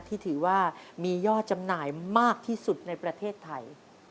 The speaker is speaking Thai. ที่ถือว่ามียอดจำหน่ายมากที่สุดในประเทศไทย